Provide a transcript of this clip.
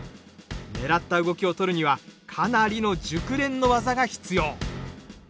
ねらった動きを撮るにはかなりの熟練の技が必要。